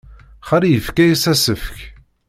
Xali yefka-as asefk.